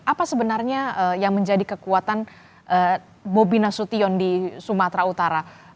apa sebenarnya yang menjadi kekuatan bobi nasution di sumatera utara